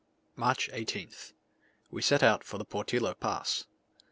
March 18th. We set out for the Portillo pass.